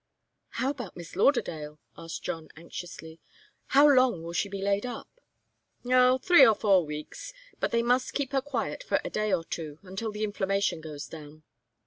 "How about Miss Lauderdale?" asked John, anxiously. "How long will she be laid up?" "Oh three or four weeks. But they must keep her quiet for a day or two, until the inflammation goes down.